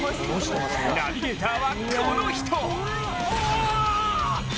ナビゲーターは、この人！